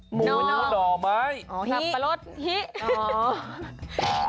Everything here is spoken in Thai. หมูน้ำด่อไหมฮิอ๋อหลับประรดฮิอ๋อฮิอ๋อ